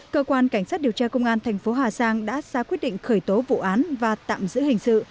cơ quan cảnh sát điều tra công an thành phố hà giang đã ra quyết định khởi tố vụ án và tạm giữ hình sự